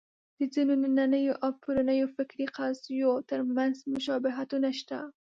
د ځینو نننیو او پرونیو فکري قضیو تر منځ مشابهتونه شته.